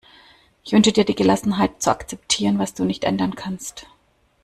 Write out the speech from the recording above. Ich wünsche dir die Gelassenheit, zu akzeptieren, was du nicht ändern kannst.